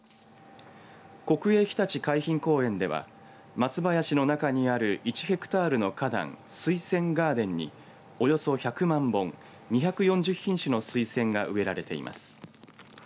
国営ひたち海浜公園では松林の中にある１ヘクタールの花壇、スイセンガーデンにおよそ１００万本２４０品種のスイセンが植えられています。